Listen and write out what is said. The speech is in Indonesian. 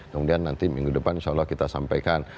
kemudian nanti minggu depan insya allah kita sampaikan